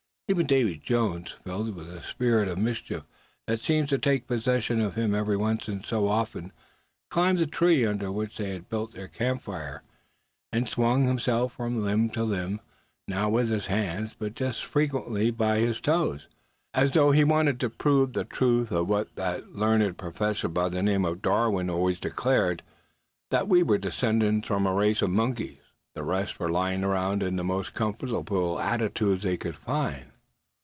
Even Davy Jones, filled with the spirit of mischief that seemed to take possession of him every once in so often, climbed the tree under which they had built their camp fire, and swung himself from limb to limb; now with his hands but just as frequently by his toes; as though he wanted to prove the truth of what that learned professor by the name of Darwin always declared, that we were descended from a race of monkeys. The rest were lying around in the most comfortable attitudes they could find.